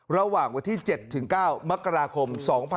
ระหว่างวันที่๗๙มกราคม๒๕๖๒